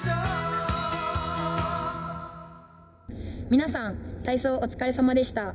皆さん、体操、お疲れさまでした。